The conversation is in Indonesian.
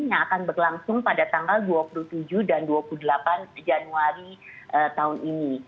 yang akan berlangsung pada tanggal dua puluh tujuh dan dua puluh delapan januari tahun ini